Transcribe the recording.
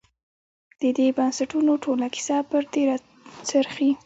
د دې بنسټونو ټوله کیسه پر دې راڅرخي.